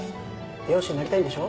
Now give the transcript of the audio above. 美容師になりたいんでしょ？